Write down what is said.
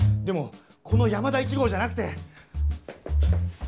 でもこの「山田１号」じゃなくて。